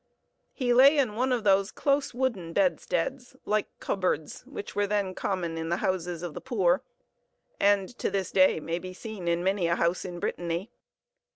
He lay in one of those close wooden bedsteads, like cupboards, which were then common in the houses of the poor, and to this day may be seen in many a house in Brittany.